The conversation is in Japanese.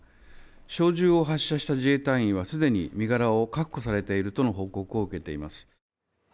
小銃を発射した自衛隊員はすでに身柄を確保されているとの報告を受けています。